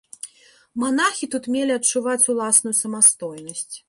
Манахі тут мелі адчуваць уласную самастойнасць.